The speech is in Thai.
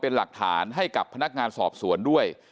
เป็นหลักฐานให้กับพนักงานสอบสวนด้วย